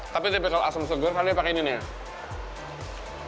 tapi tipikal asam seger saya pakai ini nih